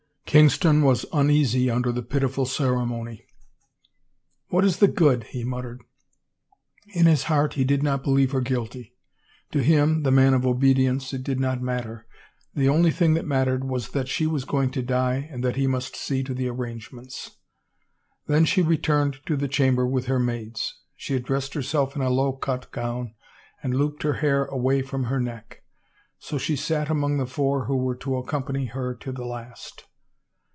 Kingston was uneasy under the pitiful ceremony. •* What is the good ?" he muttered. In his heart he did not believe her guilty — to him, the man of obedience, it did not matter. The only thing that mattered was that she was going to die and that he must see to the arrange ments. Then she returned to the chamber with her maids. She had dressed herself in a low cut gown, and looped her hair away from her neck. So she sat among the four who were to accompany her to the last.